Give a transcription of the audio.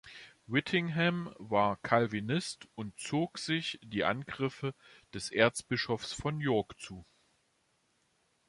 Whittingham war Calvinist und zog sich die Angriffe des Erzbischofs von York zu.